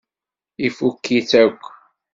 Ifukk-itt akk.